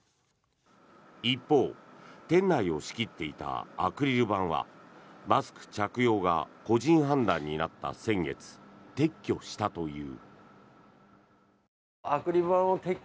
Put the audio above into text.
一方、店内を仕切っていたアクリル板はマスク着用が個人判断になった先月撤去したという。